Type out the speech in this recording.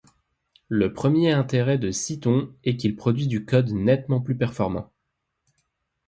Le premier intérêt de Cython est qu'il produit du code nettement plus performant.